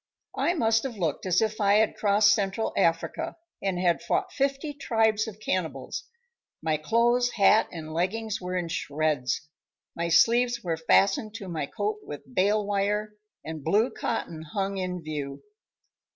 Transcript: I must have looked as if I had crossed Central Africa and had fought fifty tribes of cannibals. My clothes, hat and leggings were in shreds, my sleeves were fastened to my coat with bale wire, and blue cotton hung in view.